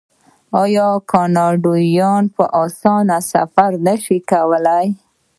آیا کاناډایان په اسانۍ سفر نشي کولی؟